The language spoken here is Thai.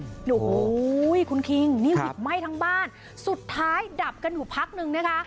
โอ้โหคุณคิงนี่หวิดไหม้ทั้งบ้านสุดท้ายดับกันอยู่พักนึงนะคะ